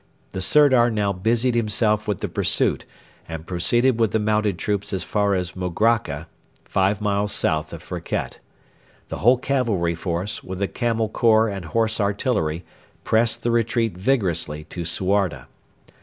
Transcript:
The Sirdar now busied himself with the pursuit, and proceeded with the mounted troops as far as Mograka, five miles south of Firket. The whole cavalry force, with the Camel Corps and Horse Artillery, pressed the retreat vigorously to Suarda.